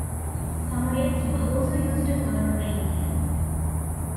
Samoyeds were also used to herd reindeer.